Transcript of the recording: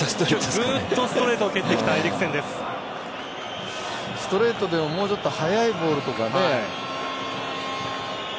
ストレートでももうちょっと速いボールとかね。